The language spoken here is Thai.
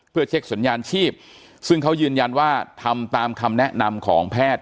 เพื่อเช็คสัญญาณชีพซึ่งเขายืนยันว่าทำตามคำแนะนำของแพทย์